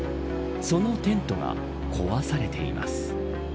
そのテントが壊されています。